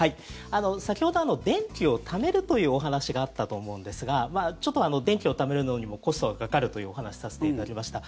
先ほど電気をためるというお話があったと思うんですがちょっと、電気をためるのにもコストがかかるというお話をさせていただきました。